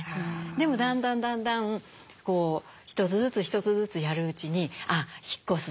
でもだんだんだんだん一つずつ一つずつやるうちに「あっ引っ越すんだ。